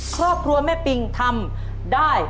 ครอบครัวแม่ปิงทำได้